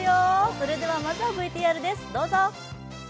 それでは、まずはＶＴＲです。